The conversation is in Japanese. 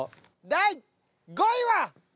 第５位は？